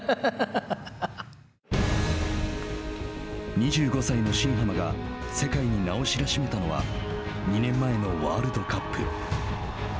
２５歳の新濱が世界に名を知らしめたのは２年前のワールドカップ。